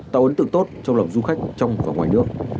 tạo ấn tượng tốt trong lòng du khách trong và ngoài nước